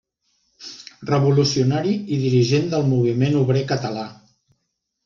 Revolucionari i dirigent del moviment obrer català.